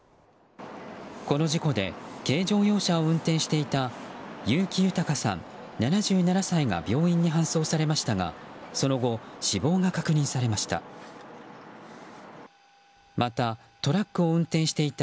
この事故で軽乗用車を運転していた結城豊さん、７７歳が病院に搬送されましたがその後、死亡が確認されました。